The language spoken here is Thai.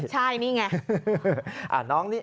ใช่นี่ไง